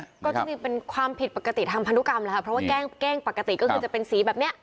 ก็จริงเป็นความผิดปกติทางพันธุกรรมแล้วค่ะเพราะว่าเก้งปกติก็คือจะเป็นสีแบบนี้